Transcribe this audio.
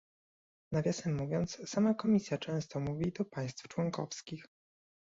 Nawiasem mówiąc sama Komisja często mówi do państw członkowskich